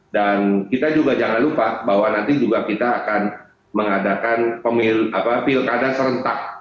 dan kita juga jangan lupa bahwa nanti juga kita akan mengadakan pilkada serentak